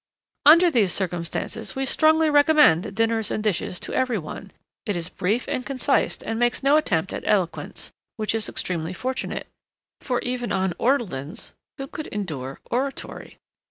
Under these circumstances we strongly recommend Dinners and Dishes to every one: it is brief and concise and makes no attempt at eloquence, which is extremely fortunate. For even on ortolans who could endure oratory?